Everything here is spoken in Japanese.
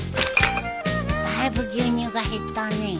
だいぶ牛乳が減ったね。